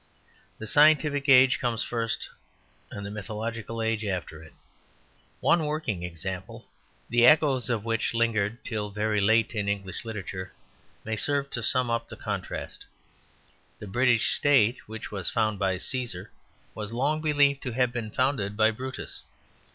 The scientific age comes first and the mythological age after it. One working example, the echoes of which lingered till very late in English literature, may serve to sum up the contrast. The British state which was found by Cæsar was long believed to have been founded by Brutus.